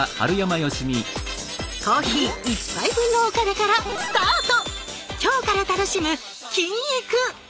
コーヒー１杯分のお金からスタート！